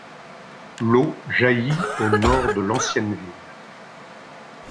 L'eau jaillit au nord de l'ancienne ville.